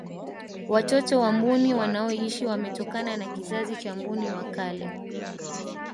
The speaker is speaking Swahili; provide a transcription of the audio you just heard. watoto wa mbuni wanaoishi wametokana na kizazi cha mbuni wa kale